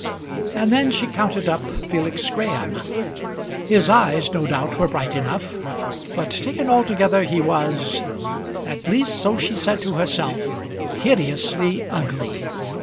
And then she counted up Felix Graham. His eyes no doubt were bright enough, but taken altogether he was, at least so she said to herself hideously ugly.